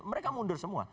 mereka mundur semua